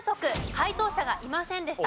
解答者がいませんでした。